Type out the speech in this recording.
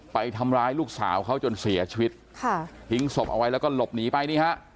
ไปทำร้ายลูกสาวเขาจนเสียชีวิตค่ะทิ้งศพเอาไว้แล้วก็หลบหนีไปนี่ฮะ